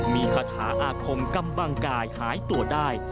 มีคาถาอาคมกำบังกายหายตัวได้